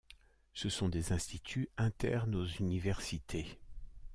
Ce sont des instituts internes aux universités.